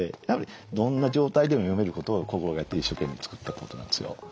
やはりどんな状態でも読めることを心がけて一生懸命作ったコードなんですよ。